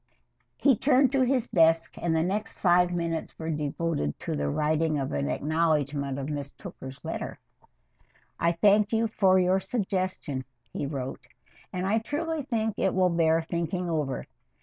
He turned to his desk, and the next five minutes were devoted to the writing of an acknowledgment of Miss Tooker's letter. I thank you for your suggestion [he wrote], and I truly think it will bear thinking over.